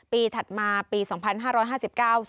ปีถัดมาปี๒๕๕๙บาท